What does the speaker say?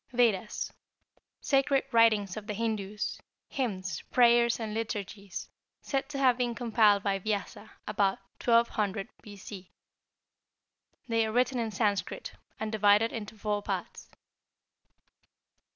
=Vedas.= Sacred writings of the Hindus, hymns, prayers, and liturgies, said to have been compiled by Vyasa about 1200 B. C. They are written in Sanskrit, and divided into four parts.